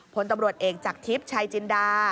ผลตำรวจแองจากทฤพธิชัยจิญดา